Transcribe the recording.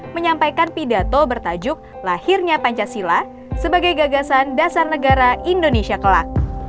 menyampaikan pidato bertajuk lahirnya pancasila sebagai gagasan dasar negara indonesia kelak